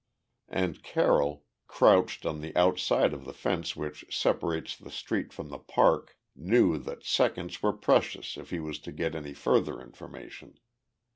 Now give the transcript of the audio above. And Carroll, crouched on the outside of the fence which separates the street from the Park, knew that seconds were precious if he was to get any further information.